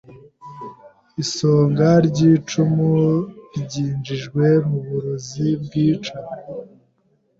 Isonga ry'icumu ryinjijwe mu burozi bwica.